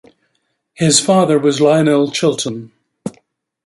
His father was Lyonel Chilton.